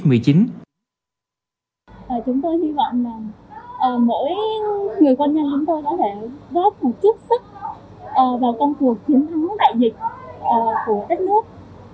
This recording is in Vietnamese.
chúng tôi hy vọng là mỗi người quân nhân chúng tôi có thể góp một chút sức vào công cuộc chiến thắng đại dịch của đất nước